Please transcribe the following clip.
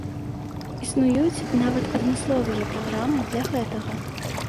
Існуюць нават адмысловыя праграмы для гэтага.